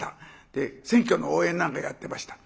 で選挙の応援なんかやってました。